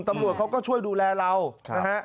ตำรวจเขาก็ช่วยดูแลเรานะฮะ